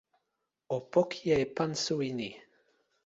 o poki e pan suwi ni.